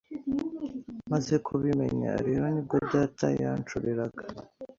Maze kubimenya rero nibwo data yanshoreraga